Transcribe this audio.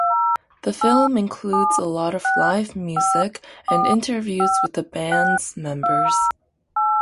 The film includes a lot of live music and interviews with the band's members.